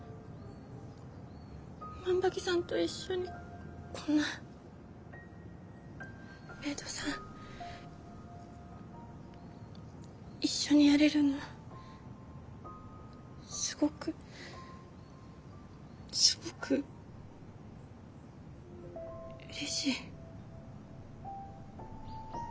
万場木さんと一緒にこんなメイドさん一緒にやれるのすごくすごくうれしい。